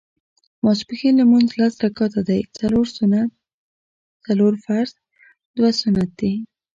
ماسپښېن لمونځ لس رکعته دی څلور سنت څلور فرض دوه سنت دي